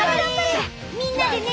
みんなでね！